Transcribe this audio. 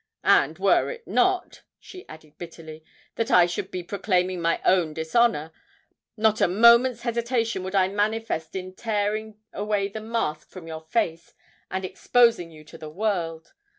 And were it not," she added bitterly, "that I should be proclaiming my own dishonour, not a moment's hesitation would I manifest in tearing away the mask from your face, and exposing you to the world.